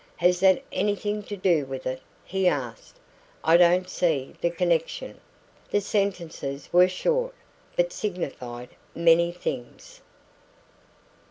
"Has that anything to do with it?' he asked. 'I don't see the connection." The sentences were short, but signified many things.